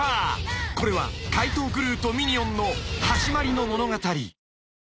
［これは怪盗グルーとミニオンの始まりの物語］